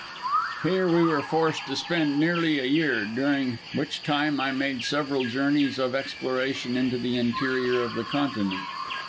Here we were forced to spend nearly a year, during which time I made several journeys of exploration into the interior of the continent.